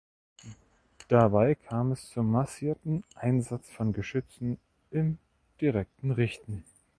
Dabei kam es zum massierten Einsatz von Geschützen im direkten Richten.